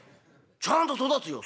ちゃんと育つよ！」。